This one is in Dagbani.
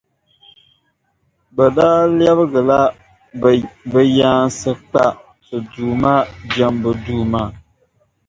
Bɛ daa lɛbigila bɛ yaansi kpa Ti Duuma jɛmbu duu maa.